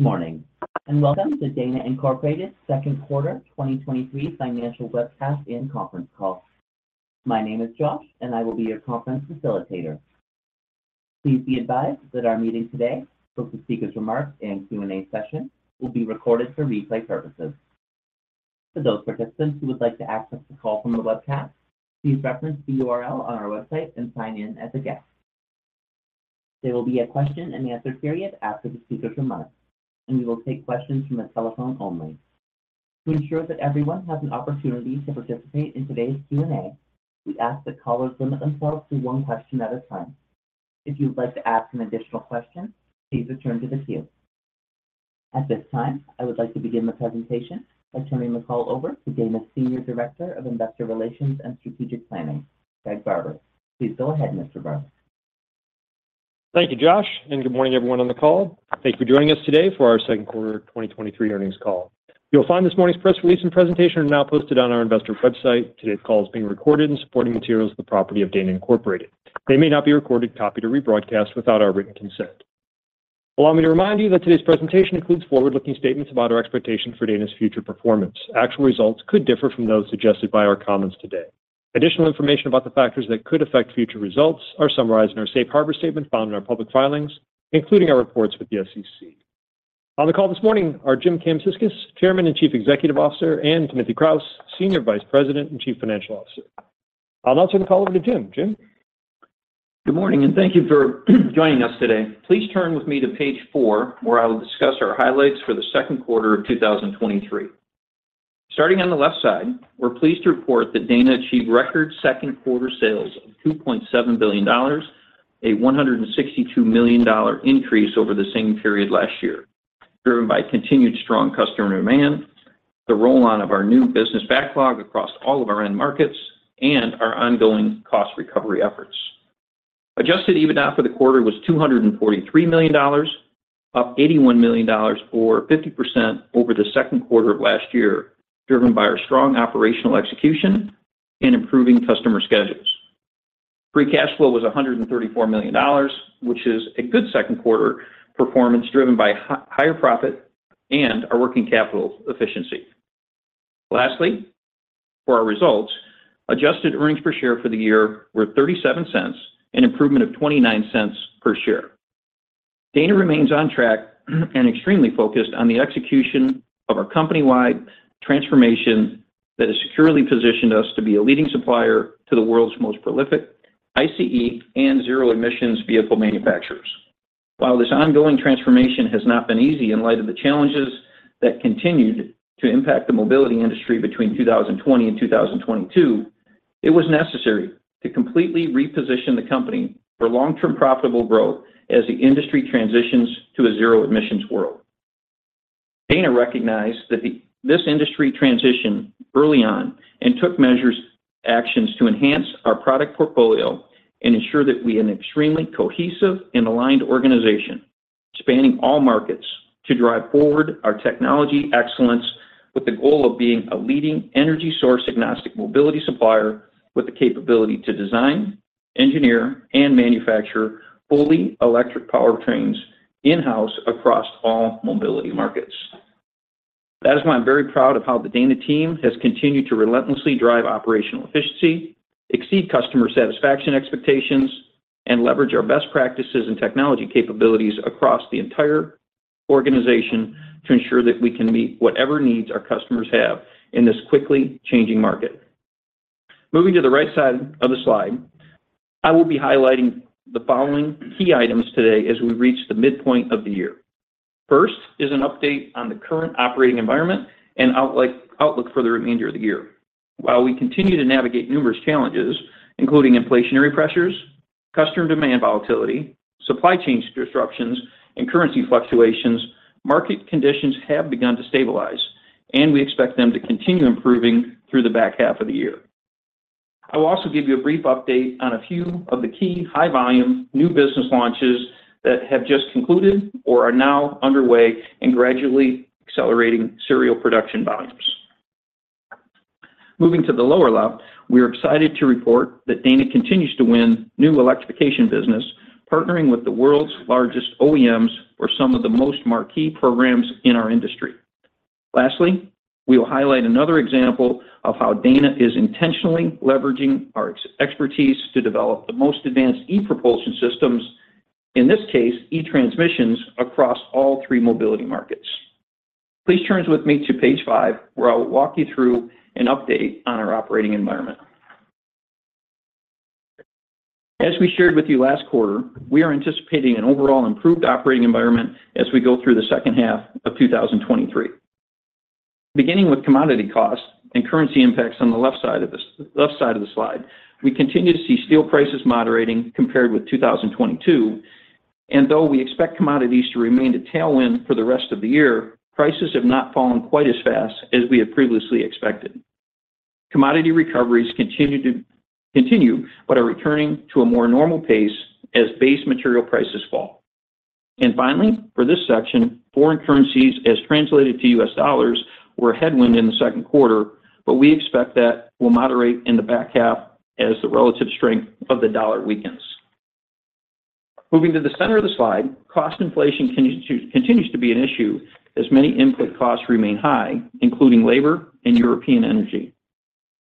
Good morning, welcome to Dana Incorporated Second Quarter 2023 Financial Webcast and Conference Call. My name is Josh, and I will be your conference facilitator. Please be advised that our meeting today, with the speaker's remarks and Q&A session, will be recorded for replay purposes. For those participants who would like to access the call from the webcast, please reference the URL on our website and sign in as a guest. There will be a question-and-answer period after the speaker's remarks, and we will take questions from the telephone only. To ensure that everyone has an opportunity to participate in today's Q&A, we ask that callers limit themselves to one question at a time. If you would like to ask an additional question, please return to the queue. At this time, I would like to begin the presentation by turning the call over to Dana's Senior Director of Investor Relations and Strategic Planning, Craig Barber. Please go ahead, Mr. Barber. Thank you, Josh. Good morning, everyone on the call. Thank you for joining us today for our second quarter 2023 earnings call. You'll find this morning's press release and presentation are now posted on our investor website. Today's call is being recorded and supporting materials are the property of Dana Incorporated. They may not be recorded, copied, or rebroadcast without our written consent. Allow me to remind you that today's presentation includes forward-looking statements about our expectations for Dana's future performance. Actual results could differ from those suggested by our comments today. Additional information about the factors that could affect future results are summarized in our Safe Harbor Statement found in our public filings, including our reports with the SEC. On the call this morning are Jim Kamsickas, Chairman and Chief Executive Officer, and Timothy Kraus, Senior Vice President and Chief Financial Officer. I'll now turn the call over to Jim. Jim? Good morning. Thank you for joining us today. Please turn with me to Page 4, where I will discuss our highlights for the second quarter of 2023. Starting on the left side, we're pleased to report that Dana achieved record second quarter sales of $2.7 billion, a $162 million increase over the same period last year, driven by continued strong customer demand, the roll-on of our new business backlog across all of our end markets, and our ongoing cost recovery efforts. Adjusted EBITDA for the quarter was $243 million, up $81 million, or 50% over the second quarter of last year, driven by our strong operational execution and improving customer schedules. Free cash flow was $134 million, which is a good second quarter performance, driven by higher profit and our working capital efficiency. Lastly, for our results, adjusted earnings per share for the year were $0.37, an improvement of $0.29 per share. Dana remains on track and extremely focused on the execution of our company-wide transformation that has securely positioned us to be a leading supplier to the world's most prolific ICE and zero emissions vehicle manufacturers. While this ongoing transformation has not been easy in light of the challenges that continued to impact the mobility industry between 2020 and 2022, it was necessary to completely reposition the company for long-term profitable growth as the industry transitions to a zero emissions world. Dana recognized that this industry transitioned early on and took measures, actions to enhance our product portfolio and ensure that we are an extremely cohesive and aligned organization, spanning all markets, to drive forward our technology excellence with the goal of being a leading energy source, agnostic mobility supplier with the capability to design, engineer and manufacture fully electric powertrains in-house across all mobility markets. That is why I'm very proud of how the Dana team has continued to relentlessly drive operational efficiency, exceed customer satisfaction expectations, and leverage our best practices and technology capabilities across the entire organization to ensure that we can meet whatever needs our customers have in this quickly changing market. Moving to the right side of the slide, I will be highlighting the following key items today as we reach the midpoint of the year. First is an update on the current operating environment and outlook for the remainder of the year. While we continue to navigate numerous challenges, including inflationary pressures, customer demand volatility, supply chain disruptions, and currency fluctuations, market conditions have begun to stabilize, and we expect them to continue improving through the back half of the year. I will also give you a brief update on a few of the key high volume, new business launches that have just concluded or are now underway and gradually accelerating serial production volumes. Moving to the lower left, we are excited to report that Dana continues to win new electrification business, partnering with the world's largest OEMs for some of the most marquee programs in our industry. Lastly, we will highlight another example of how Dana is intentionally leveraging our expertise to develop the most advanced e-Propulsion systems, in this case, e-Transmissions, across all three mobility markets. Please turn with me to Page 5, where I will walk you through an update on our operating environment. As we shared with you last quarter, we are anticipating an overall improved operating environment as we go through the second half of 2023. Beginning with commodity costs and currency impacts on the left side of the left side of the slide, we continue to see steel prices moderating compared with 2022, and though we expect commodities to remain a tailwind for the rest of the year, prices have not fallen quite as fast as we had previously expected. Commodity recoveries continue to continue, but are returning to a more normal pace as base material prices fall. Finally, for this section, foreign currencies as translated to U.S. dollars, were a headwind in the 2nd quarter, but we expect that will moderate in the back half as the relative strength of the dollar weakens. Moving to the center of the slide, cost inflation continues to continue to be an issue as many input costs remain high, including labor and European energy.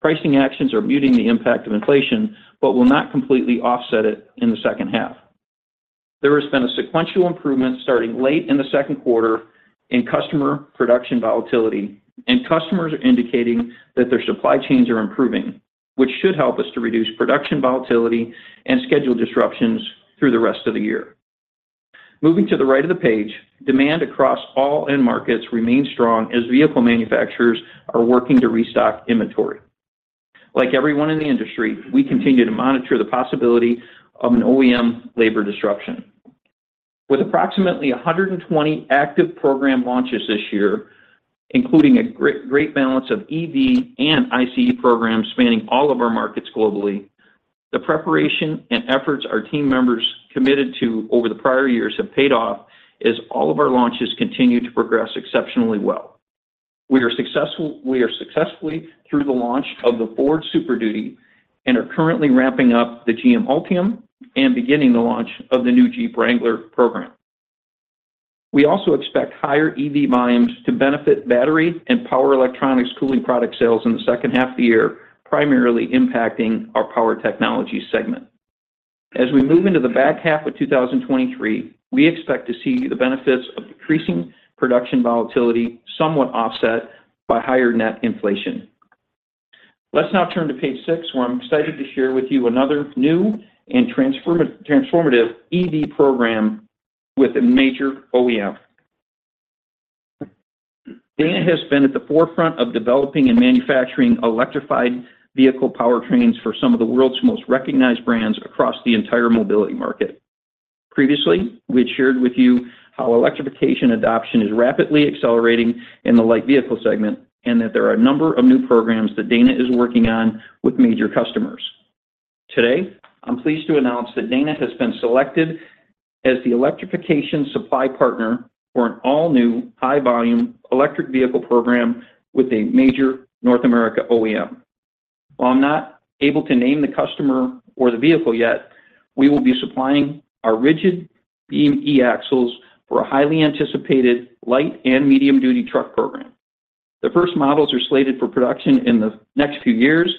Pricing actions are muting the impact of inflation, but will not completely offset it in the 2nd half. There has been a sequential improvement starting late in the 2nd quarter in customer production volatility, and customers are indicating that their supply chains are improving, which should help us to reduce production volatility and schedule disruptions through the rest of the year. Moving to the right of the page, demand across all end markets remains strong as vehicle manufacturers are working to restock inventory. Like everyone in the industry, we continue to monitor the possibility of an OEM labor disruption. With approximately 120 active program launches this year, including a great, great balance of EV and ICE programs spanning all of our markets globally, the preparation and efforts our team members committed to over the prior years have paid off as all of our launches continue to progress exceptionally well. We are successfully through the launch of the Ford Super Duty and are currently ramping up the GM Ultium and beginning the launch of the new Jeep Wrangler program. We also expect higher EV volumes to benefit battery and power electronics cooling product sales in the second half of the year, primarily impacting our Power Technologies segment. As we move into the back half of 2023, we expect to see the benefits of decreasing production volatility, somewhat offset by higher net inflation. Let's now turn to Page 6, where I'm excited to share with you another new and transformative EV program with a major OEM. Dana has been at the forefront of developing and manufacturing electrified vehicle powertrains for some of the world's most recognized brands across the entire mobility market. Previously, we had shared with you how electrification adoption is rapidly accelerating in the Light Vehicle segment, and that there are a number of new programs that Dana is working on with major customers. Today, I'm pleased to announce that Dana has been selected as the electrification supply partner for an all-new, high-volume electric vehicle program with a major North America OEM. While I'm not able to name the customer or the vehicle yet, we will be supplying our Rigid Beam e-Axles for a highly anticipated light and medium-duty truck program. The first models are slated for production in the next few years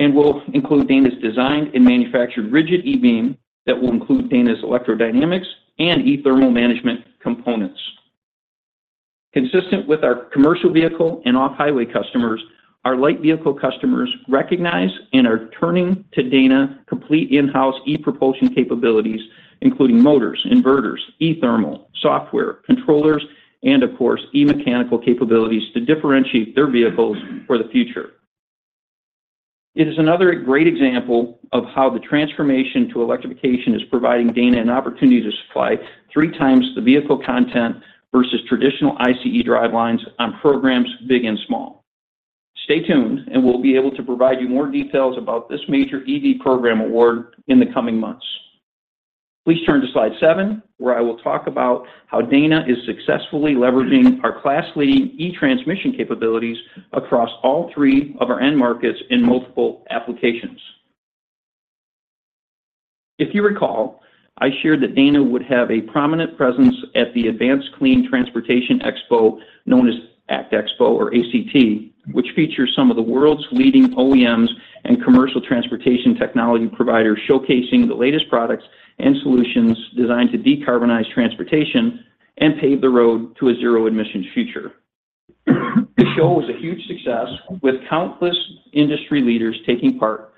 and will include Dana's designed and manufactured rigid e-Beam that will include Dana's electrodynamics and e-Thermal management components. Consistent with our Commercial Vehicle and off-highway customers, our Light Vehicle customers recognize and are turning to Dana's complete in-house e-Propulsion capabilities, including motors, inverters, e-Thermal, software, controllers, and of course, e-mechanical capabilities to differentiate their vehicles for the future. It is another great example of how the transformation to electrification is providing Dana an opportunity to supply three times the vehicle content versus traditional ICE drivelines on programs big and small. Stay tuned. We'll be able to provide you more details about this major EV program award in the coming months. Please turn to Slide 7, where I will talk about how Dana is successfully leveraging our class-leading e-Transmission capabilities across all three of our end markets in multiple applications. If you recall, I shared that Dana would have a prominent presence at the Advanced Clean Transportation Expo, known as ACT Expo or ACT, which features some of the world's leading OEMs and commercial transportation technology providers, showcasing the latest products and solutions designed to decarbonize transportation and pave the road to a zero-emission future. The show was a huge success, with countless industry leaders taking part.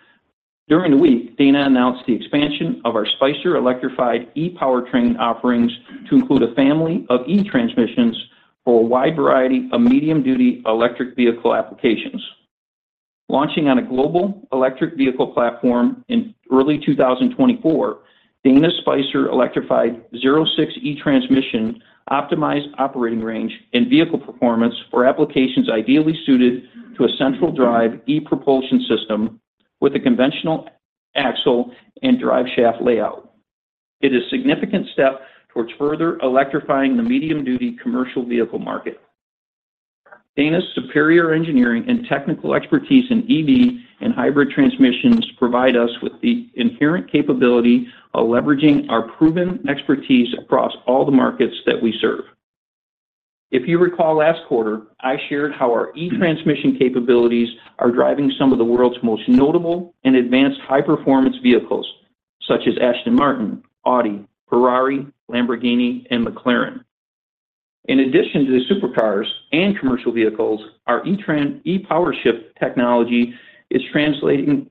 During the week, Dana announced the expansion of our Spicer Electrified e-powertrain offerings to include a family of e-Transmissions for a wide variety of medium-duty electric vehicle applications. Launching on a global electric vehicle platform in early 2024, Dana Spicer Electrified Zero-6 e-Transmission optimized operating range and vehicle performance for applications ideally suited to a central drive e-Propulsion system with a conventional axle and driveshaft layout. It is a significant step towards further electrifying the medium-duty commercial vehicle market. Dana's superior engineering and technical expertise in EV and hybrid transmissions provide us with the inherent capability of leveraging our proven expertise across all the markets that we serve. If you recall last quarter, I shared how our e-Transmission capabilities are driving some of the world's most notable and advanced high-performance vehicles, such as Aston Martin, Audi, Ferrari, Lamborghini, and McLaren. In addition to the supercars and commercial vehicles, our e-Powershift technology is translating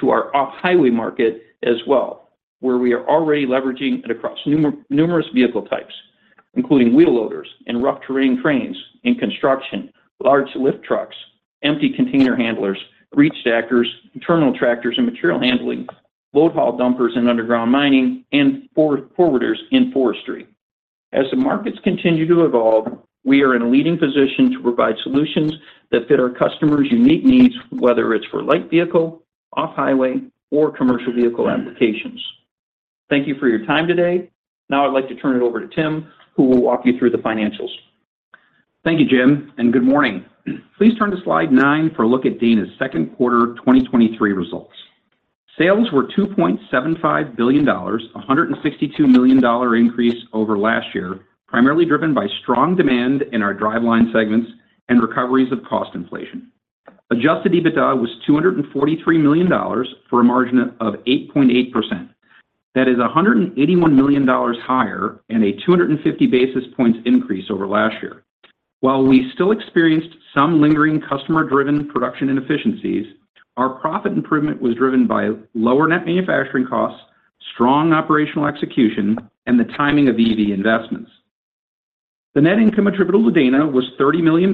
to our Off-Highway market as well, where we are already leveraging it across numerous vehicle types, including wheel loaders and rough terrain cranes in construction, large lift trucks, empty container handlers, reach stackers, terminal tractors and material handling, load/haul dumpers in underground mining, and forwarders in forestry. As the markets continue to evolve, we are in a leading position to provide solutions that fit our customers' unique needs, whether it's for light vehicle, off-highway, or commercial vehicle applications. Thank you for your time today. I'd like to turn it over to Tim, who will walk you through the financials. Thank you, Jim. Good morning. Please turn to Slide 9 for a look at Dana's second quarter 2023 results. Sales were $2.75 billion, a $162 million increase over last year, primarily driven by strong demand in our Driveline segments and recoveries of cost inflation. Adjusted EBITDA was $243 million, for a margin of 8.8%. That is a $181 million higher and a 250 basis points increase over last year. While we still experienced some lingering customer-driven production inefficiencies, our profit improvement was driven by lower net manufacturing costs, strong operational execution, and the timing of EV investments. The net income attributable to Dana was $30 million,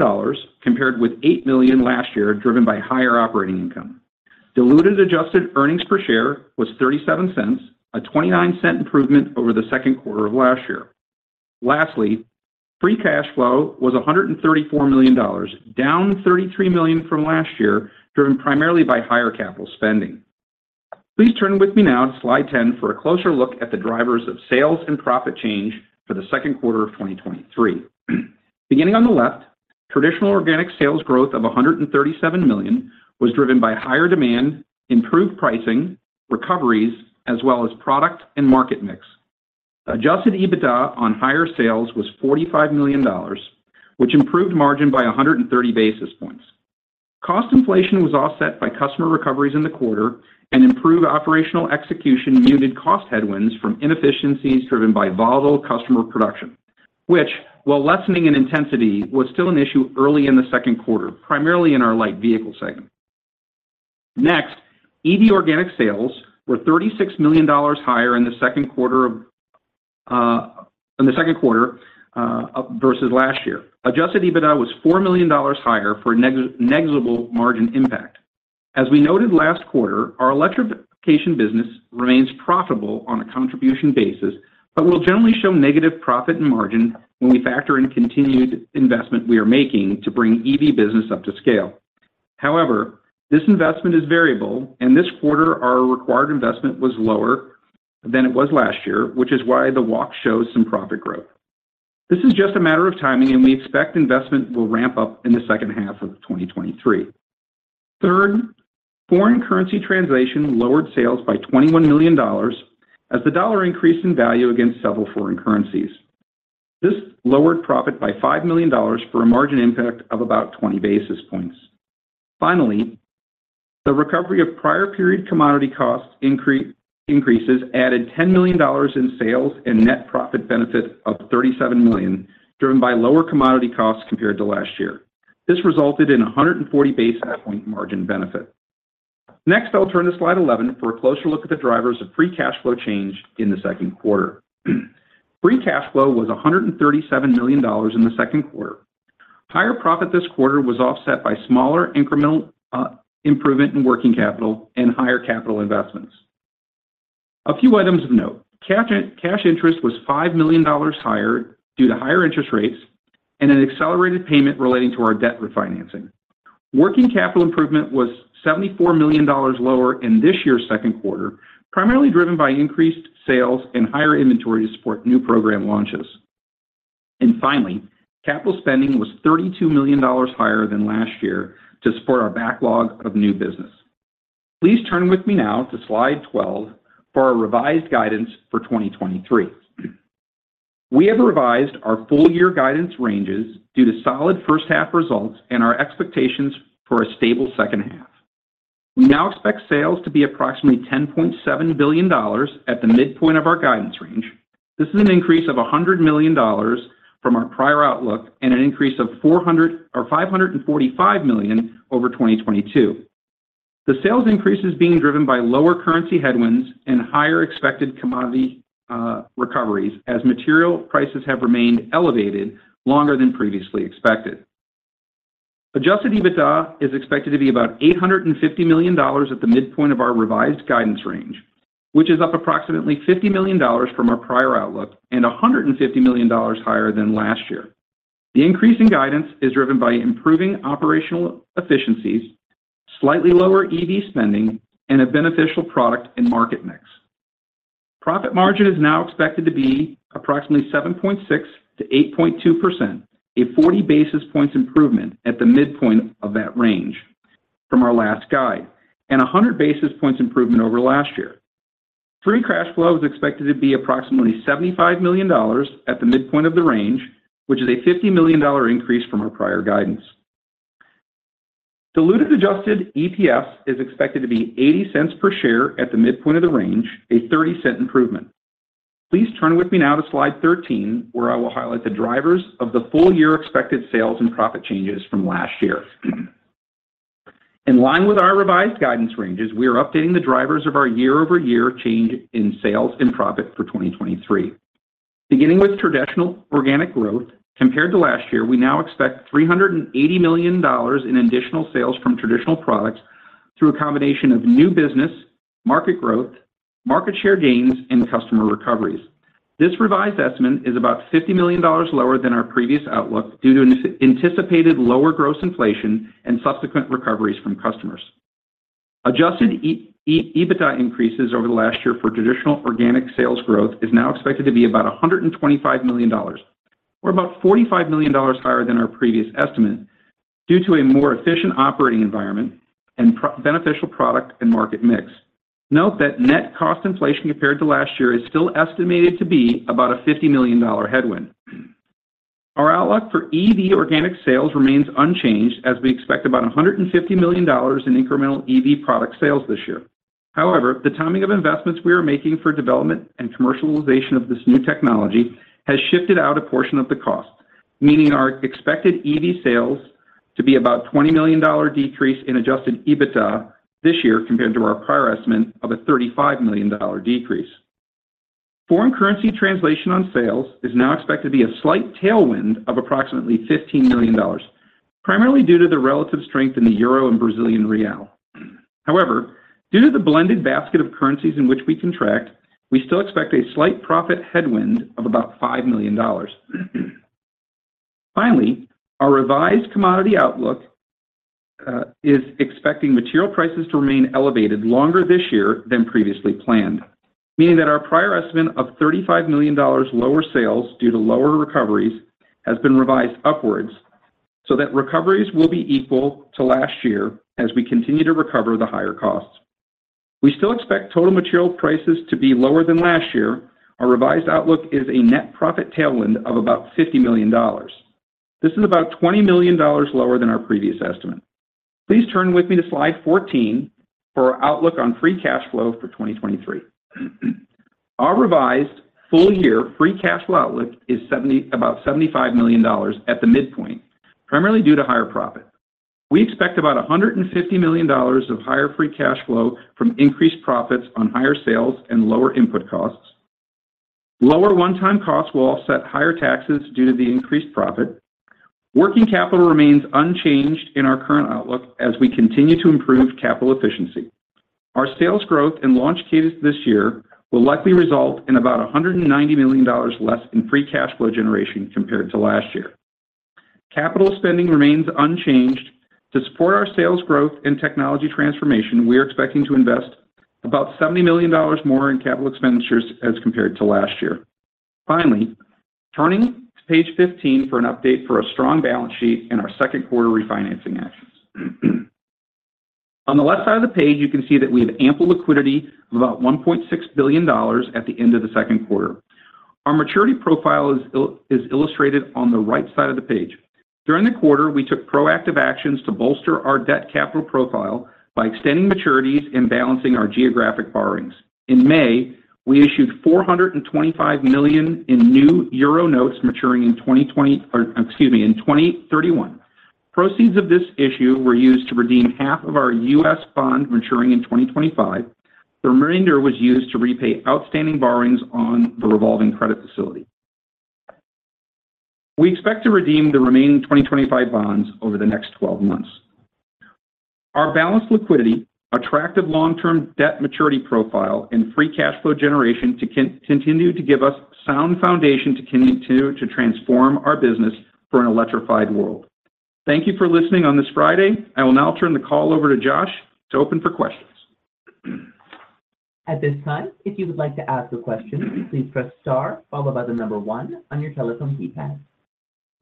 compared with $8 million last year, driven by higher operating income. Diluted adjusted earnings per share was $0.37, a $0.29 improvement over the second quarter of last year. Lastly, free cash flow was $134 million, down $33 million from last year, driven primarily by higher capital spending. Please turn with me now to Slide 10 for a closer look at the drivers of sales and profit change for the second quarter of 2023. Beginning on the left, traditional organic sales growth of $137 million was driven by higher demand, improved pricing, recoveries, as well as product and market mix. Adjusted EBITDA on higher sales was $45 million, which improved margin by 130 basis points. Cost inflation was offset by customer recoveries in the quarter. Improved operational execution muted cost headwinds from inefficiencies driven by volatile customer production, which, while lessening in intensity, was still an issue early in the second quarter, primarily in our Light Vehicle segment. Next, EV organic sales were $36 million higher in the second quarter versus last year. Adjusted EBITDA was $4 million higher for negligible margin impact. As we noted last quarter, our Electrification business remains profitable on a contribution basis, but will generally show negative profit and margin when we factor in continued investment we are making to bring EV business up to scale. However, this investment is variable, and this quarter, our required investment was lower than it was last year, which is why the walk shows some profit growth. This is just a matter of timing. We expect investment will ramp up in the second half of 2023. Third, foreign currency translation lowered sales by $21 million as the U.S. dollar increased in value against several foreign currencies. This lowered profit by $5 million for a margin impact of about 20 basis points. Finally, the recovery of prior period commodity cost increases added $10 million in sales and net profit benefit of $37 million, driven by lower commodity costs compared to last year. This resulted in a 140 basis point margin benefit. Next, I'll turn to Slide 11 for a closer look at the drivers of free cash flow change in the second quarter. Free cash flow was $137 million in the second quarter. Higher profit this quarter was offset by smaller incremental improvement in working capital and higher capital investments. A few items of note. Cash interest was $5 million higher due to higher interest rates and an accelerated payment relating to our debt refinancing. Working capital improvement was $74 million lower in this year's second quarter, primarily driven by increased sales and higher inventories for new program launches. Finally, capital spending was $32 million higher than last year to support our backlog of new business. Please turn with me now to Slide 12 for our revised guidance for 2023. We have revised our full-year guidance ranges due to solid first half results and our expectations for a stable second half. We now expect sales to be approximately $10.7 billion at the midpoint of our guidance range. This is an increase of $100 million from our prior outlook and an increase of $400 million or $545 million over 2022. The sales increase is being driven by lower currency headwinds and higher expected commodity recoveries, as material prices have remained elevated longer than previously expected. Adjusted EBITDA is expected to be about $850 million at the midpoint of our revised guidance range, which is up approximately $50 million from our prior outlook and $150 million higher than last year. The increase in guidance is driven by improving operational efficiencies, slightly lower EV spending, and a beneficial product in market mix. Profit margin is now expected to be approximately 7.6%-8.2%, a 40 basis points improvement at the midpoint of that range from our last guide, and a 100 basis points improvement over last year. Free cash flow is expected to be approximately $75 million at the midpoint of the range, which is a $50 million increase from our prior guidance. Diluted adjusted EPS is expected to be $0.80 per share at the midpoint of the range, a $0.30 improvement. Please turn with me now to Slide 13, where I will highlight the drivers of the full-year expected sales and profit changes from last year. In line with our revised guidance ranges, we are updating the drivers of our year-over-year change in sales and profit for 2023. Beginning with traditional organic growth, compared to last year, we now expect $380 million in additional sales from traditional products through a combination of new business, market growth, market share gains, and customer recoveries. This revised estimate is about $50 million lower than our previous outlook due to an anticipated lower gross inflation and subsequent recoveries from customers. Adjusted EBITDA increases over the last year for traditional organic sales growth is now expected to be about $125 million, or about $45 million higher than our previous estimate, due to a more efficient operating environment and beneficial product and market mix. Note that net cost inflation compared to last year is still estimated to be about a $50 million headwind. Our outlook for EV organic sales remains unchanged, as we expect about $150 million in incremental EV product sales this year. However, the timing of investments we are making for development and commercialization of this new technology has shifted out a portion of the cost, meaning our expected EV sales to be about $20 million decrease in adjusted EBITDA this year compared to our prior estimate of a $35 million decrease. Foreign currency translation on sales is now expected to be a slight tailwind of approximately $15 million, primarily due to the relative strength in the euro and Brazilian real. However, due to the blended basket of currencies in which we contract, we still expect a slight profit headwind of about $5 million. Finally, our revised commodity outlook, is expecting material prices to remain elevated longer this year than previously planned, meaning that our prior estimate of $35 million lower sales due to lower recoveries has been revised upwards, so that recoveries will be equal to last year as we continue to recover the higher costs. We still expect total material prices to be lower than last year. Our revised outlook is a net profit tailwind of about $50 million. This is about $20 million lower than our previous estimate. Please turn with me to Slide 14 for our outlook on free cash flow for 2023. Our revised full-year free cash flow outlook is about $75 million at the midpoint, primarily due to higher profit. We expect about $150 million of higher free cash flow from increased profits on higher sales and lower input costs. Lower one-time costs will offset higher taxes due to the increased profit. Working capital remains unchanged in our current outlook as we continue to improve capital efficiency. Our sales growth and launch cadence this year will likely result in about $190 million less in free cash flow generation compared to last year. Capital spending remains unchanged. To support our sales growth and technology transformation, we are expecting to invest about $70 million more in capital expenditures as compared to last year. Turning to Page 15 for an update for a strong balance sheet and our second quarter refinancing actions. On the left side of the page, you can see that we have ample liquidity of about $1.6 billion at the end of the second quarter. Our maturity profile is illustrated on the right side of the page. During the quarter, we took proactive actions to bolster our debt capital profile by extending maturities and balancing our geographic borrowings. In May, we issued 425 million in new euro senior notes maturing in 2020, or excuse me, in 2031. Proceeds of this issue were used to redeem half of our U.S. bond maturing in 2025. The remainder was used to repay outstanding borrowings on the revolving credit facility. We expect to redeem the remaining 2025 bonds over the next 12 months. Our balanced liquidity, attractive long-term term debt maturity profile, and free cash flow generation to continue to give us sound foundation to continue to transform our business for an electrified world. Thank you for listening on this Friday. I will now turn the call over to Josh to open for questions. At this time, if you would like to ask a question, please press Star followed by the number one on your telephone keypad.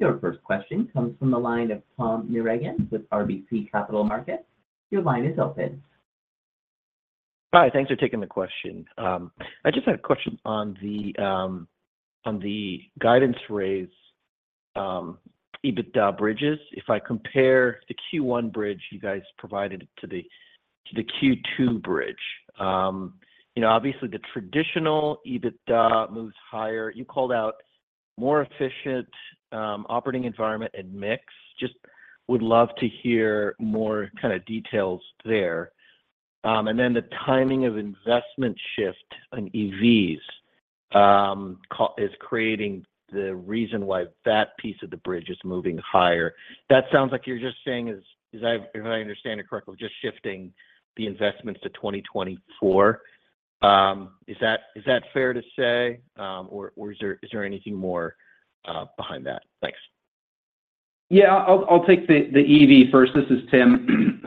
Your first question comes from the line of Tom Narayan with RBC Capital Markets. Your line is open. Hi, thanks for taking the question. I just had a question on the on the guidance raise EBITDA bridges. If I compare the Q1 bridge you guys provided to the to the Q2 bridge, you know, obviously, the traditional EBITDA moves higher. You called out more efficient operating environment and mix. Just would love to hear more kind of details there. The timing of investment shift on EVs is creating the reason why that piece of the bridge is moving higher. That sounds like you're just saying if I understand it correctly, just shifting the investments to 2024. Is that, is that fair to say? Or is there, is there anything more behind that? Thanks. Yeah, I'll, I'll take the, the EV first. This is Tim.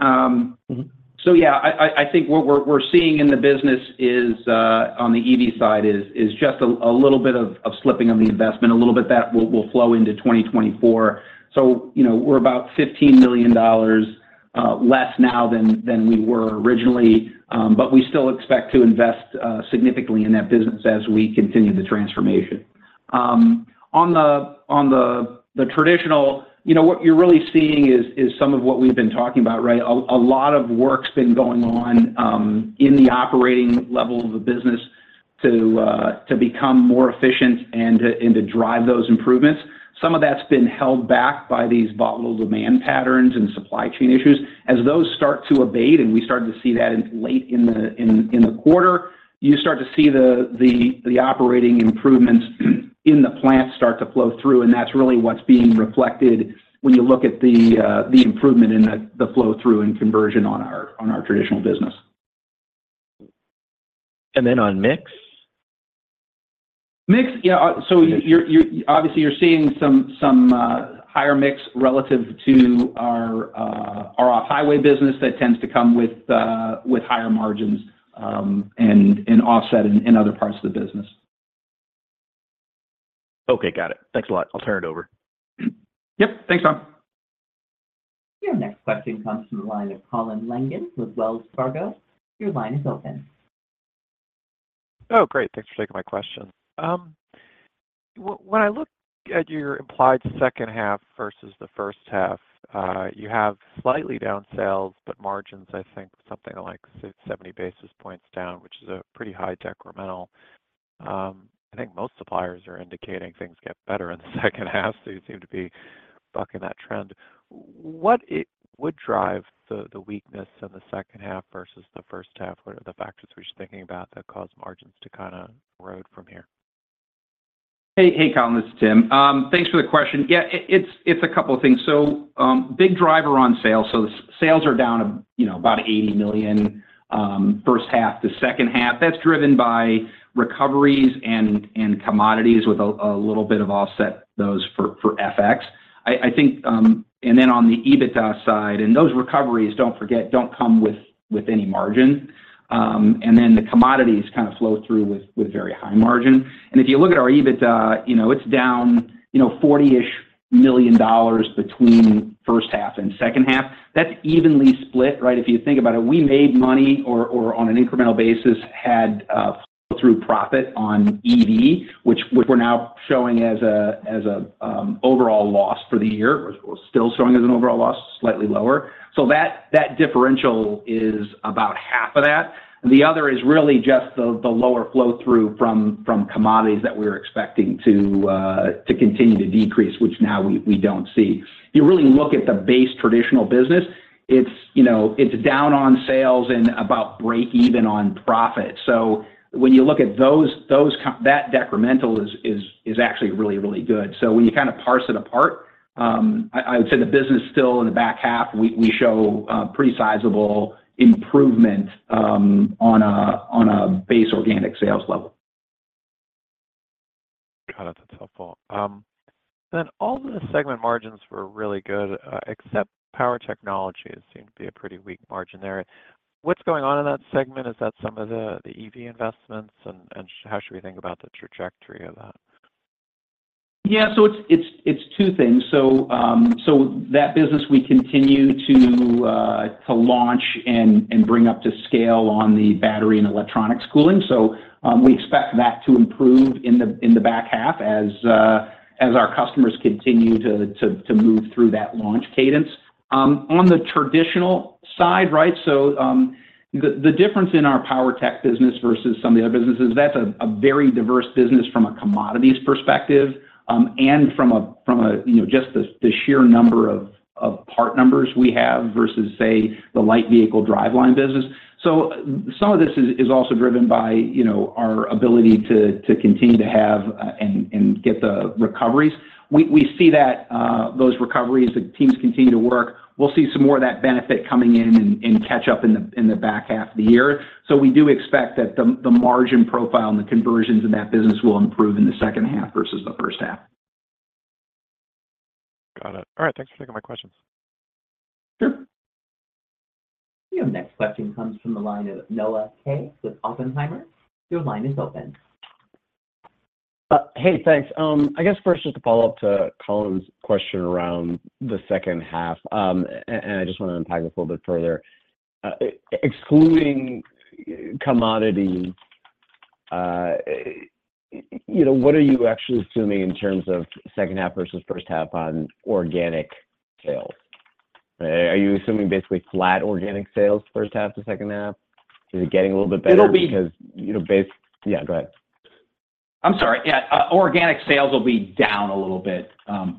Yeah, I, I, I think what we're, we're seeing in the business is on the EV side is just a little bit of slipping of the investment, a little bit that will flow into 2024. You know, we're about $15 million less now than we were originally, but we still expect to invest significantly in that business as we continue the transformation. On the, on the, the traditional, you know, what you're really seeing is some of what we've been talking about, right? A lot of work's been going on in the operating level of the business to become more efficient and to, and to drive those improvements. Some of that's been held back by these volatile demand patterns and supply chain issues. As those start to abate, and we started to see that late in the quarter, you start to see the operating improvements in the plant start to flow through, and that's really what's being reflected when you look at the improvement in the flow through and conversion on our traditional business. Then on mix? Mix, yeah, you're, you're obviously you're seeing some, some, higher mix relative to our, our Off-Highway business that tends to come with, higher margins, and, and offset in, in other parts of the business. Okay, got it. Thanks a lot. I'll turn it over. Yep. Thanks, Tom. Your next question comes from the line of Colin Langan with Wells Fargo. Your line is open. Oh, great. Thanks for taking my question. When I look at your implied second half versus the first half, you have slightly down sales, but margins, I think something like 60, 70 basis points down, which is a pretty high incremental. I think most suppliers are indicating things get better in the second half, so you seem to be bucking that trend. What would drive the weakness in the second half versus the first half? What are the factors we should thinking about that cause margins to kinda erode from here? Hey, hey, Colin, this is Tim. Thanks for the question. Yeah, it, it's, it's a couple of things. Big driver on sales. The sales are down, you know, about $80 million, first half to second half. That's driven by recoveries and, and commodities with a, a little bit of offset those for, for FX. I, I think. Then on the EBITDA side, and those recoveries, don't forget, don't come with, with any margin. Then the commodities kind of flow through with, with very high margin. If you look at our EBITDA, you know, it's down, you know, $40 million between first half and second half. That's evenly split, right? If you think about it, we made money or, or on an incremental basis, had flow-through profit on EV, which, which we're now showing as a, as a overall loss for the year, or still showing as an overall loss, slightly lower. That, that differential is about half of that. The other is really just the, the lower flow-through from, from commodities that we're expecting to continue to decrease, which now we, we don't see. You really look at the base traditional business, it's, you know, it's down on sales and about break even on profit. When you look at those, those that decremental is, is, is actually really, really good. When you kind of parse it apart, I, I would say the business still in the back half, we, we show pretty sizable improvement on a, on a base organic sales level. Got it. That's helpful. All the segment margins were really good, except Power Technologies seem to be a pretty weak margin there. What's going on in that segment? Is that some of the, the EV investments? And, and how should we think about the trajectory of that? Yeah, it's, it's, it's two things. That business, we continue to launch and bring up to scale on the battery and electronics cooling. We expect that to improve in the back half as our customers continue to move through that launch cadence. On the traditional side, right, the difference in our Power Technologies business versus some of the other businesses, that's a very diverse business from a commodities perspective, and from a, from a, you know, just the sheer number of part numbers we have versus, say, the Light Vehicle Driveline business. Some of this is also driven by, you know, our ability to continue to have and get the recoveries. We, we see that, those recoveries, the teams continue to work. We'll see some more of that benefit coming in and, and catch up in the, in the back half of the year. We do expect that the, the margin profile and the conversions in that business will improve in the second half versus the first half. Got it. All right. Thanks for taking my questions. Sure. Your next question comes from the line of Noah Kaye with Oppenheimer. Your line is open. Hey, thanks. I guess first, just to follow up to Colin's question around the second half, and I just wanna unpack this a little bit further. Excluding commodity, you know, what are you actually assuming in terms of second half versus first half on organic sales? Are you assuming basically flat organic sales first half to second half? Is it getting a little bit better- It'll be- because, you know, bas... Yeah, go ahead. I'm sorry. Yeah, organic sales will be down a little bit,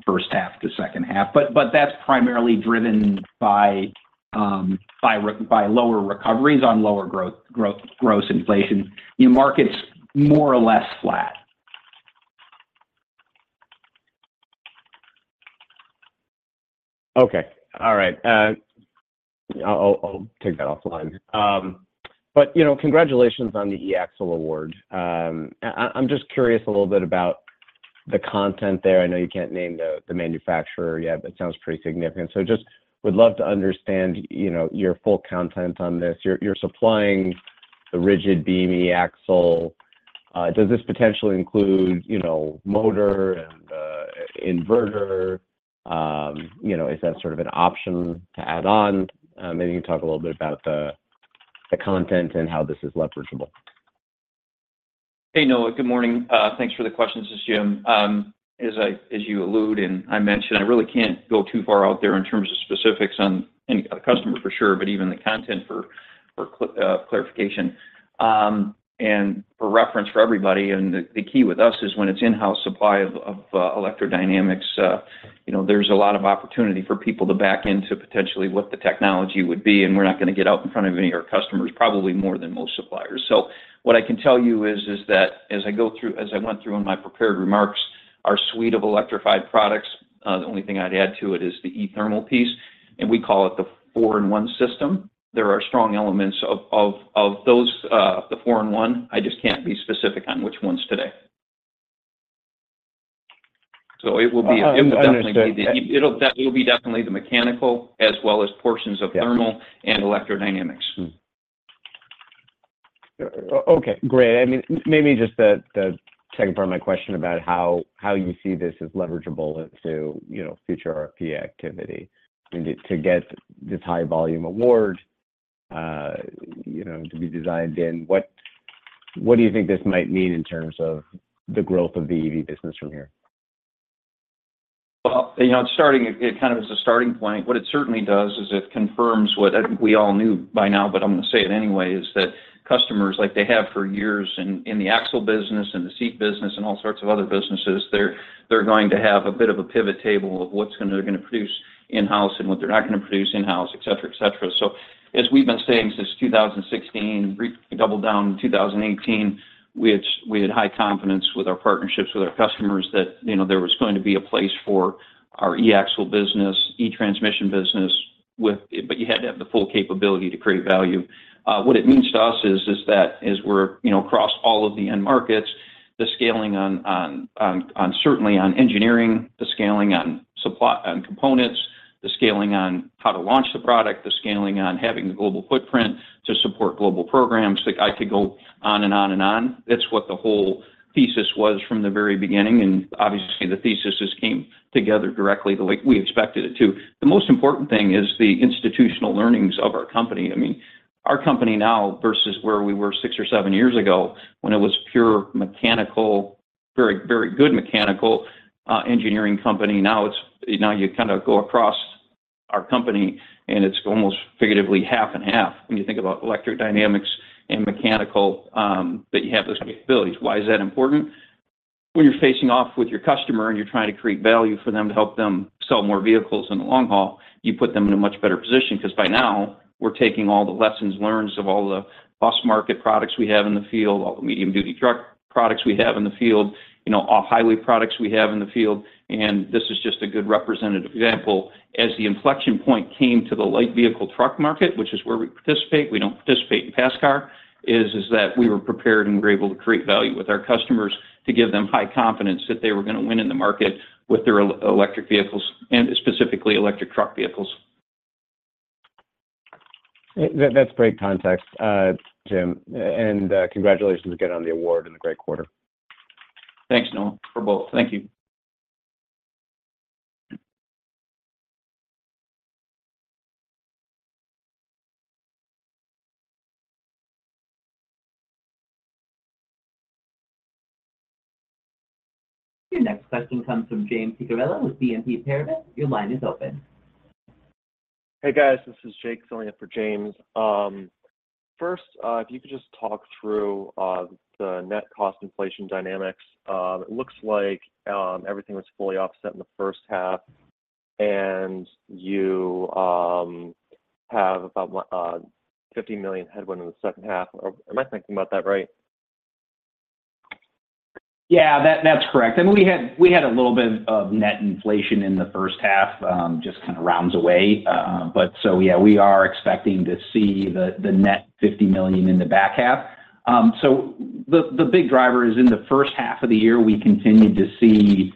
first half to second half, but that's primarily driven by lower recoveries on lower growth, gross inflation. Your market's more or less flat. Okay. All right. I'll, I'll, I'll take that offline. You know, congratulations on the e-Axle award. I, I, I'm just curious a little bit about the content there. I know you can't name the, the manufacturer yet, but it sounds pretty significant. Just would love to understand, you know, your full content on this. You're, you're supplying the Rigid Beam e-Axle. Does this potentially include, you know, motor and inverter? You know, is that sort of an option to add on? Maybe you can talk a little bit about the, the content and how this is leverageable. Hey, Noah. Good morning. Thanks for the question. This is Jim. As you allude, and I mentioned, I really can't go too far out there in terms of specifics on any customer, for sure, but even the content for clarification. For reference for everybody, and the, the key with us is when it's in-house supply of, of, electrodynamics, you know, there's a lot of opportunity for people to back into potentially what the technology would be, and we're not gonna get out in front of any of our customers, probably more than most suppliers. What I can tell you is, is that as I went through in my prepared remarks. Our suite of electrified products, the only thing I'd add to it is the e-Thermal piece, and we call it the 4-in-1 system. There are strong elements of, of, of those, the 4-in-1, I just can't be specific on which ones today. So it will be- I, I understand. It'll definitely be the, that will be definitely the mechanical as well as portions of thermal- Yeah. and electrodynamics. Okay, great. I mean, maybe just the, the second part of my question about how, how you see this as leverageable into, you know, future RFP activity and to, to get this high volume award, you know, to be designed in, what, what do you think this might mean in terms of the growth of the EV business from here? Well, you know, it's starting, kind of as a starting point, what it certainly does is it confirms what I think we all knew by now, but I'm going to say it anyway, is that customers, like they have for years in, in the axle business and the seat business and all sorts of other businesses, they're, they're going to have a bit of a pivot table of what's they're gonna produce in-house and what they're not gonna produce in-house, et cetera, et cetera. As we've been saying since 2016, we doubled down in 2018, we had, we had high confidence with our partnerships, with our customers, that, you know, there was going to be a place for our e-Axle business, e-Transmission business with it, but you had to have the full capability to create value. What it means to us is, is that as we're, you know, across all of the end markets, the scaling on certainly on engineering, the scaling on supply, on components, the scaling on how to launch the product, the scaling on having the global footprint to support global programs, like I could go on and on and on. That's what the whole thesis was from the very beginning, obviously, the thesis just came together directly the way we expected it to. The most important thing is the institutional learnings of our company. I mean, our company now versus where we were 6 or 7 years ago, when it was pure mechanical, very, very good mechanical, engineering company. Now you kind of go across our company, and it's almost figuratively half and half when you think about electrodynamics and mechanical, that you have those capabilities. Why is that important? When you're facing off with your customer, and you're trying to create value for them to help them sell more vehicles in the long haul, you put them in a much better position because by now, we're taking all the lessons learned of all the bus market products we have in the field, all the medium-duty truck products we have in the field, you know, off-highway products we have in the field, and this is just a good representative example. As the inflection point came to the light vehicle truck market, which is where we participate, we don't participate in fast car, is that we were prepared and were able to create value with our customers to give them high confidence that they were going to win in the market with their electric vehicles and specifically electric truck vehicles. That, that's great context, Jim. Congratulations again on the award and the great quarter. Thanks, Noah, for both. Thank you. Your next question comes from James Picariello with BNP Paribas. Your line is open. Hey, guys, this is Jake filling in for James. First, if you could just talk through the net cost inflation dynamics. It looks like everything was fully offset in the first half, and you have about, what, $50 million headwind in the second half. Or am I thinking about that right? Yeah, that, that's correct. We had, we had a little bit of net inflation in the first half, just kind of rounds away. Yeah, we are expecting to see the, the net $50 million in the back half. The, the big driver is in the first half of the year, we continued to see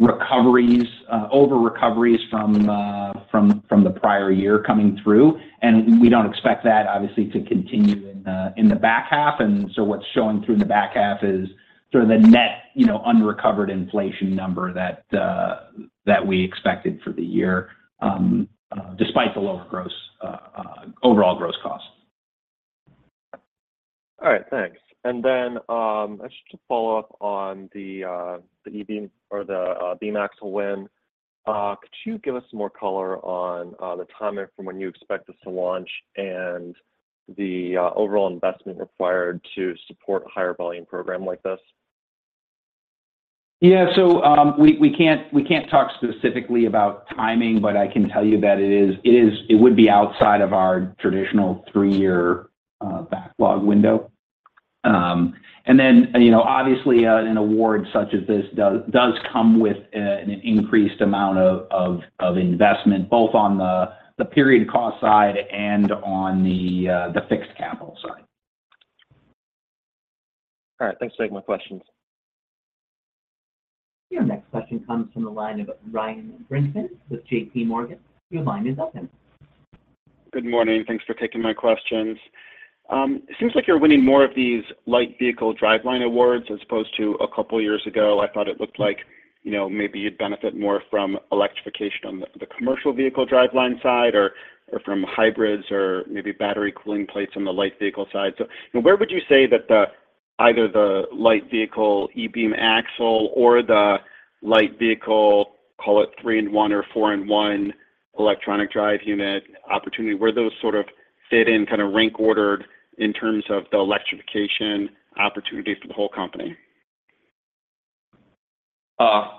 recoveries, over-recoveries from, from, from the prior year coming through, and we don't expect that obviously to continue in the back half. What's showing through in the back half is sort of the net, you know, unrecovered inflation number that we expected for the year, despite the lower gross, overall gross cost. All right, thanks. Just to follow up on the e-Beam or the e-Beam axle win, could you give us some more color on the timing from when you expect this to launch and the overall investment required to support a higher volume program like this? Yeah. We, we can't, we can't talk specifically about timing, but I can tell you that it is-- it is, it would be outside of our traditional 3-year backlog window. You know, obviously, an award such as this does, does come with an increased amount of, of, of investment, both on the, the period cost side and on the, the fixed capital side. All right. Thanks for taking my questions. Your next question comes from the line of Ryan Brinkman with JPMorgan. Your line is open. Good morning. Thanks for taking my questions. It seems like you're winning more of these Light Vehicle Driveline awards, as opposed to a couple of years ago. I thought it looked like, you know, maybe you'd benefit more from electrification on the, the Commercial Vehicle Driveline side or, or from hybrids or maybe battery cooling plates on the Light Vehicle side. Where would you say that the, either the light vehicle, e-Beam axle or the light vehicle, call it 3-in-1 or 4-in-1 electric drive unit opportunity, where those sort of fit in, kind of rank ordered in terms of the electrification opportunities for the whole company?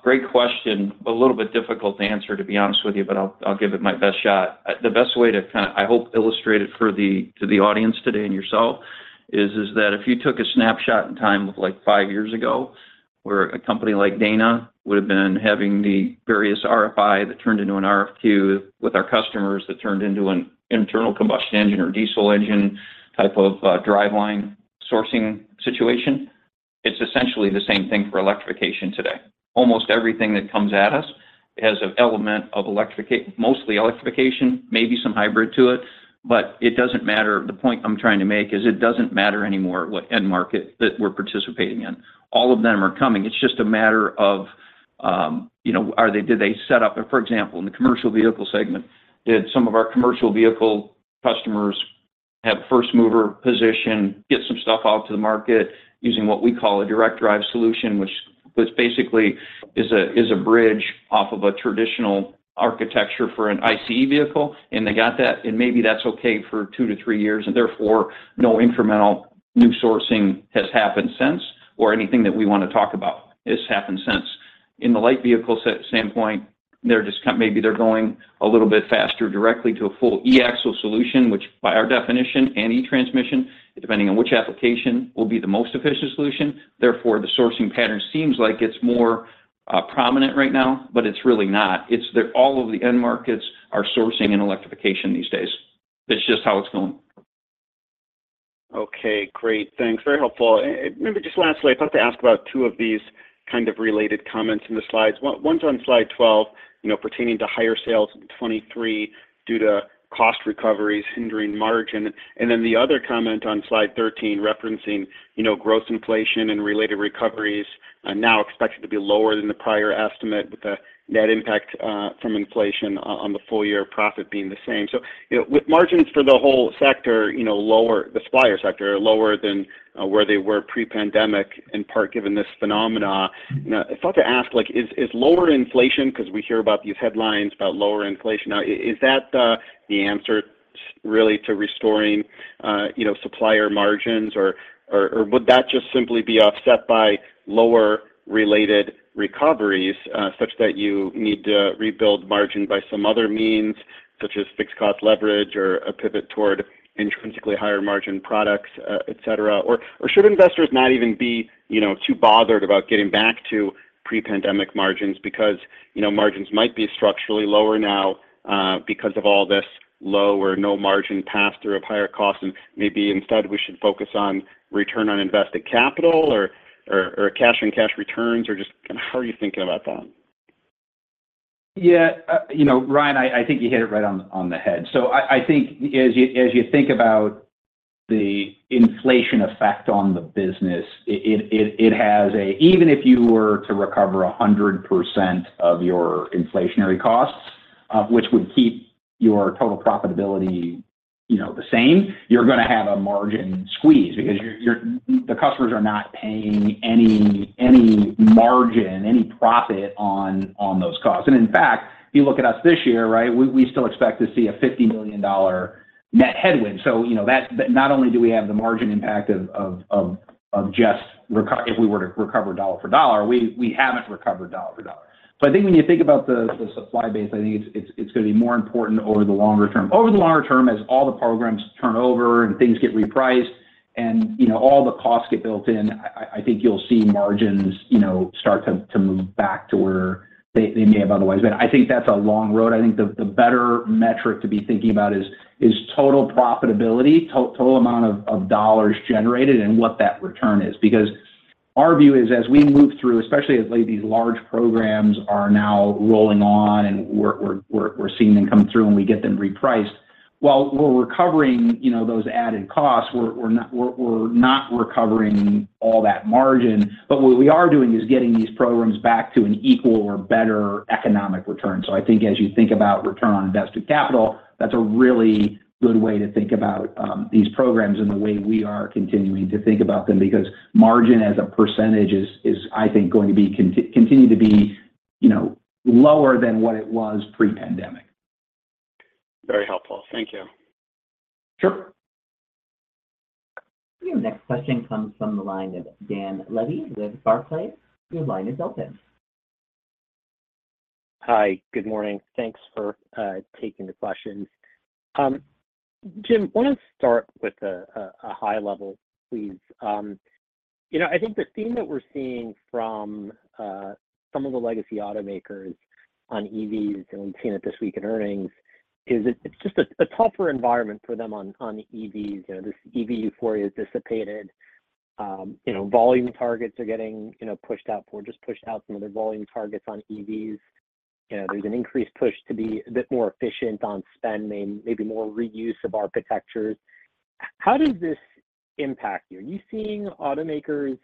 Great question. A little bit difficult to answer, to be honest with you, but I'll, I'll give it my best shot. The best way to kind of, I hope, illustrate it for the, to the audience today and yourself, is that if you took a snapshot in time of, like, five years ago, where a company like Dana would have been having the various RFI that turned into an RFQ with our customers, that turned into an internal combustion engine or diesel engine type of driveline sourcing situation, it's essentially the same thing for electrification today. Almost everything that comes at us has an element of mostly electrification, maybe some hybrid to it, but it doesn't matter. The point I'm trying to make is it doesn't matter anymore what end market that we're participating in. All of them are coming. It's just a matter of, you know, for example, in the Commercial Vehicle segment, did some of our commercial vehicle customers have first mover position, get some stuff out to the market using what we call a direct drive solution, which basically is a bridge off of a traditional architecture for an ICE vehicle, and they got that, and maybe that's okay for 2-3 years, and therefore, no incremental new sourcing has happened since, or anything that we want to talk about has happened since. In the Light Vehicle set standpoint, maybe they're going a little bit faster directly to a full e-Axle solution, which by our definition, and e-Transmission, depending on which application, will be the most efficient solution. The sourcing pattern seems like it's more prominent right now, but it's really not. It's that all of the end markets are sourcing in electrification these days. That's just how it's going. Okay, great. Thanks. Very helpful. Maybe just lastly, I'd like to ask about two of these kind of related comments in the slides. One, one's on Slide 12, you know, pertaining to higher sales in 2023 due to cost recoveries hindering margin. The other comment on Slide 13, referencing, you know, gross inflation and related recoveries, are now expected to be lower than the prior estimate, with the net impact from inflation on the full-year profit being the same. You know, with margins for the whole sector, you know, lower, the supplier sector, lower than where they were pre-pandemic, in part, given this phenomena, you know, I thought to ask, like, is lower inflation, because we hear about these headlines about lower inflation, now, is that the answer really to restoring, you know, supplier margins? Would that just simply be offset by lower related recoveries, such that you need to rebuild margin by some other means, such as fixed cost leverage or a pivot toward intrinsically higher margin products, et cetera? Should investors not even be, you know, too bothered about getting back to pre-pandemic margins because, you know, margins might be structurally lower now, because of all this low or no margin pass-through of higher costs, and maybe instead we should focus on return on invested capital or cash and cash returns, or just kind of how are you thinking about that? Yeah, you know, Ryan, I, I think you hit it right on the, on the head. I, I think as you, as you think about the inflation effect on the business, it has a even if you were to recover 100% of your inflationary costs, which would keep your total profitability, you know, the same, you're gonna have a margin squeeze because you're the customers are not paying any, any margin, any profit on, on those costs. And in fact, if you look at us this year, right, we, we still expect to see a $50 million net headwind. You know, that's not only do we have the margin impact of just recov if we were to recover dollar for dollar, we, we haven't recovered dollar for dollar. I think when you think about the supply base, I think it's gonna be more important over the longer-term. Over the longer-term, as all the programs turn over and things get repriced and, you know, all the costs get built in, I think you'll see margins, you know, start to move back to where they may have otherwise been. I think that's a long road. I think the better metric to be thinking about is total profitability, total amount of dollar generated and what that return is. Because our view is as we move through, especially as, like, these large programs are now rolling on and we're seeing them come through and we get them repriced, while we're recovering, you know, those added costs, we're not recovering all that margin. What we are doing is getting these programs back to an equal or better economic return. I think as you think about return on invested capital, that's a really good way to think about these programs and the way we are continuing to think about them, because margin as a percentage is, I think, going to continue to be, you know, lower than what it was pre-pandemic. Very helpful. Thank you. Sure. Your next question comes from the line of Dan Levy with Barclays. Your line is open. Hi, good morning. Thanks for taking the questions. Jim, why don't start with a high level, please? You know, I think the theme that we're seeing from some of the legacy automakers on EVs, and we've seen it this week in earnings, is it's just a tougher environment for them on EVs. You know, this EV euphoria has dissipated. You know, volume targets are getting pushed out. Ford just pushed out some of their volume targets on EVs. You know, there's an increased push to be a bit more efficient on spending, maybe more reuse of architectures. How does this impact you? Are you seeing automakers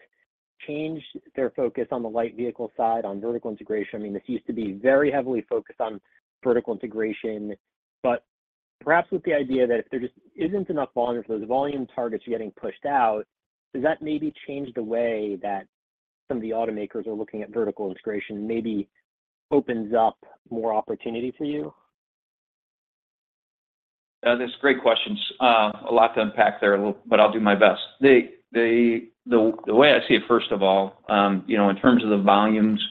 change their focus on the light vehicle side, on vertical integration? I mean, this used to be very heavily focused on vertical integration, but perhaps with the idea that if there just isn't enough volume, if those volume targets are getting pushed out, does that maybe change the way that some of the automakers are looking at vertical integration, maybe opens up more opportunity for you? That's great questions. A lot to unpack there, but I'll do my best. The way I see it, first of all, you know, in terms of the volumes.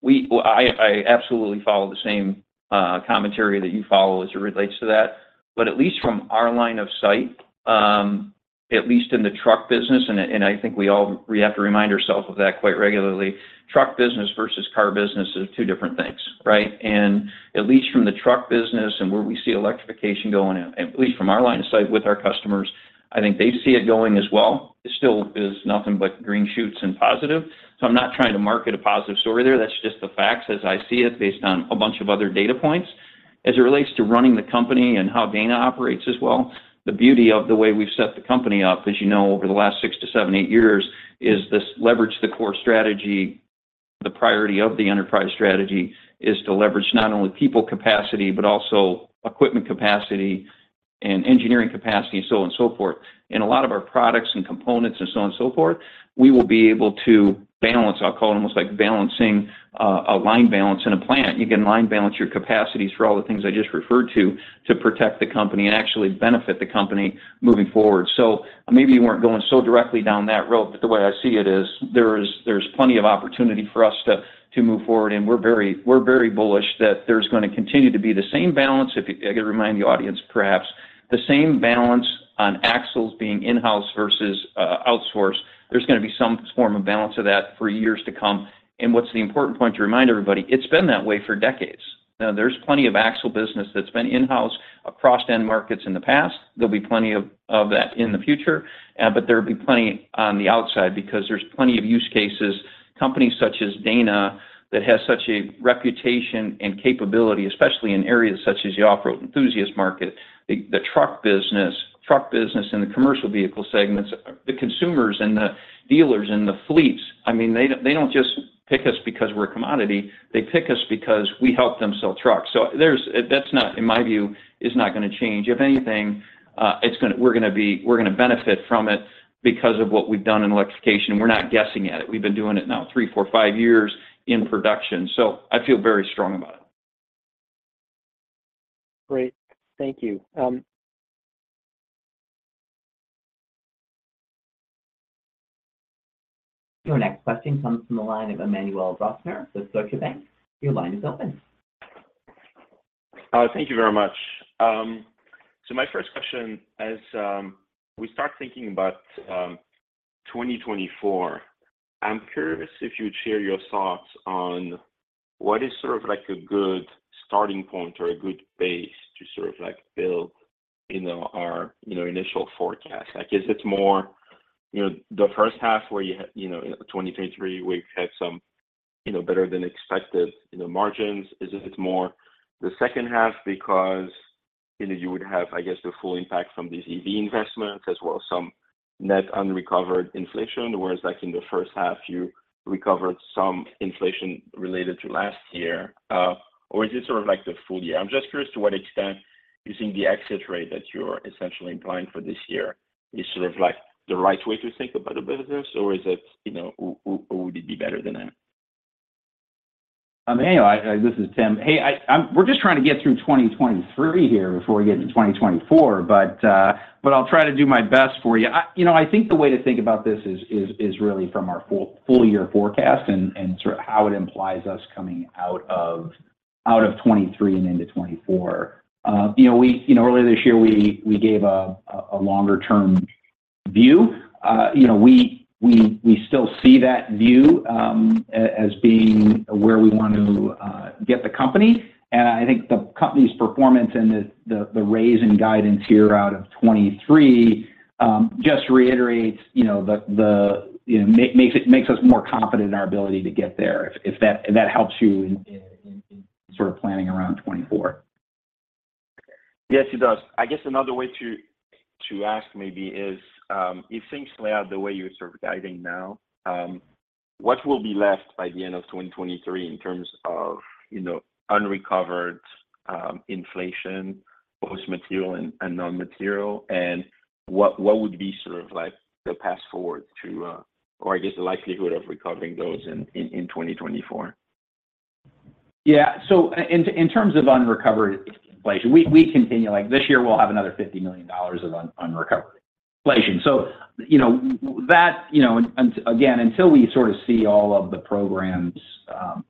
We, well, I absolutely follow the same commentary that you follow as it relates to that. At least from our line of sight, at least in the truck business, and I think we have to remind ourselves of that quite regularly, truck business versus car business is two different things, right? At least from the truck business and where we see electrification going, at least from our line of sight with our customers, I think they see it going as well. It still is nothing but green shoots and positive. I'm not trying to market a positive story there. That's just the facts as I see it, based on a bunch of other data points. As it relates to running the company and how Dana operates as well, the beauty of the way we've set the company up, as you know, over the last 6 to 7, 8 years, is this Leverage the Core strategy. The priority of the enterprise strategy is to leverage not only people capacity, but also equipment capacity and engineering capacity, so on and so forth. In a lot of our products and components and so on and so forth, we will be able to balance, I'll call it almost like balancing a line balance in a plant. You can line balance your capacities for all the things I just referred to, to protect the company and actually benefit the company moving forward. Maybe you weren't going so directly down that road, the way I see it is, there's plenty of opportunity for us to move forward, we're very bullish that there's gonna continue to be the same balance. I can remind the audience, perhaps, the same balance on axles being in-house versus outsourced. There's gonna be some form of balance of that for years to come, what's the important point to remind everybody? It's been that way for decades. There's plenty of Axle business that's been in-house across end markets in the past. There'll be plenty of that in the future, there will be plenty on the outside because there's plenty of use cases. Companies such as Dana that has such a reputation and capability, especially in areas such as the off-road enthusiast market, the truck business and the Commercial Vehicle segments, the consumers and the dealers and the fleets. I mean, they don't just pick us because we're a commodity. They pick us because we help them sell trucks. That's not, in my view, is not gonna change. If anything, we're gonna benefit from it because of what we've done in electrification. We're not guessing at it. We've been doing it now three, four, five years in production, so I feel very strong about it. Great. Thank you. Your next question comes from the line of Emmanuel Rosner with Deutsche Bank. Your line is open. Thank you very much. My first question, as we start thinking about 2024, I'm curious if you'd share your thoughts on what is sort of like a good starting point or a good base to sort of like, build, you know, our, you know, initial forecast? I guess it's more, you know, the first half where you know, in 2023, we've had some, you know, better than expected, you know, margins. Is it more the second half because, you know, you would have, I guess, the full impact from these EV investments, as well as some net unrecovered inflation? Whereas, like in the first half, you recovered some inflation related to last year, or is it sort of like the full-year? I'm just curious to what extent you think the exit rate that you're essentially implying for this year is sort of like the right way to think about the business, or is it, you know, would it be better than that? Emmanuel, I, this is Tim. Hey, I, I'm- we're just trying to get through 2023 here before we get into 2024, but, but I'll try to do my best for you. I, you know, I think the way to think about this is, is, is really from our full, full-year forecast and, and sort of how it implies us coming out of, out of 2023 and into 2024. You know, we, you know, earlier this year, we, we gave a, a, a longer-term view. You know, we, we, we still see that view, as being where we want to get the company. I think the company's performance and the raise in guidance here out of 2023, just reiterates, you know, makes us more confident in our ability to get there, if that, if that helps you in, in sort of planning around 2024. Yes, it does. I guess another way to, to ask maybe is, if things play out the way you're sort of guiding now, what will be left by the end of 2023 in terms of, you know, unrecovered, inflation, both material and, and non-material? What, what would be sort of like the path forward to, or I guess, the likelihood of recovering those in, in, in 2024? Yeah. In, in terms of unrecovered inflation, we, we continue, like, this year, we'll have another $50 million of unrecovered inflation. You know, that, you know, and again, until we sort of see all of the programs,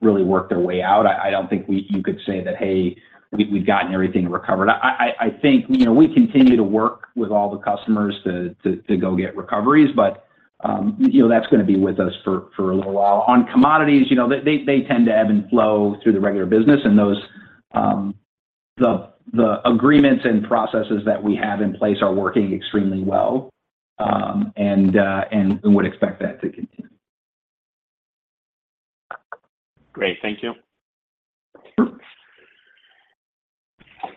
really work their way out, I, I don't think you could say that, Hey, we've, we've gotten everything recovered. I, I, I think, you know, we continue to work with all the customers to, to, to go get recoveries, but, you know, that's gonna be with us for, for a little while. On commodities, you know, they, they tend to ebb and flow through the regular business, and those, the, the agreements and processes that we have in place are working extremely well. And, and we would expect that to continue. Great. Thank you.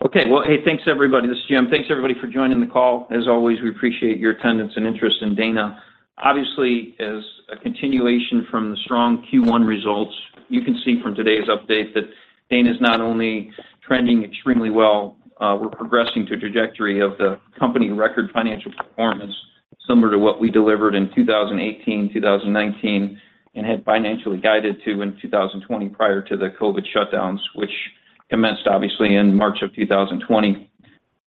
Okay. Well, hey, thanks, everybody. This is Jim. Thanks, everybody, for joining the call. As always, we appreciate your attendance and interest in Dana. Obviously, as a continuation from the strong Q1 results, you can see from today's update that Dana is not only trending extremely well, we're progressing to a trajectory of the company record financial performance, similar to what we delivered in 2018, 2019, and had financially guided to in 2020 prior to the COVID shutdowns, which commenced obviously in March of 2020.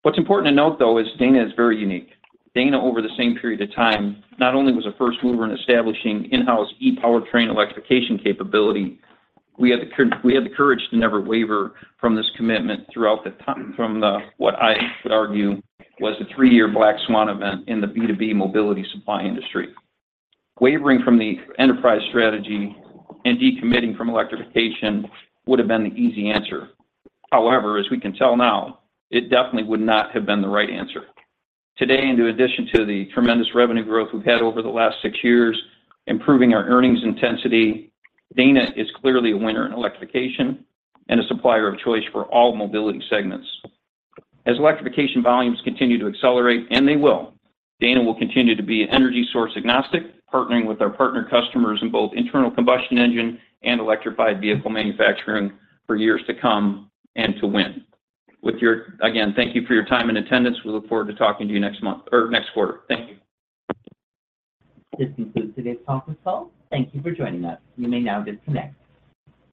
What's important to note, though, is Dana is very unique. Dana, over the same period of time, not only was a first mover in establishing in-house e-Powertrain electrification capability, we had the courage to never waver from this commitment throughout the time, from the, what I would argue, was a three-year black swan event in the B2B mobility supply industry. Wavering from the enterprise strategy and decommitting from electrification would have been the easy answer. However, as we can tell now, it definitely would not have been the right answer. Today, in addition to the tremendous revenue growth we've had over the last 6 years, improving our earnings intensity, Dana is clearly a winner in electrification and a supplier of choice for all mobility segments. As electrification volumes continue to accelerate, and they will, Dana will continue to be an energy source agnostic, partnering with our partner customers in both internal combustion engine and electrified vehicle manufacturing for years to come, and to win. Again, thank you for your time and attendance. We look forward to talking to you next month, or next quarter. Thank you. This concludes today's conference call. Thank you for joining us. You may now disconnect.